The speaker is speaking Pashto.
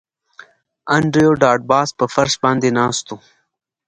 انډریو ډاټ باس په فرش باندې ناست و